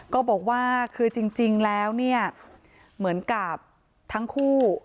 ก็บอกว่าคือจริงแล้วเนี่ยเหมือนกับทั้งคู่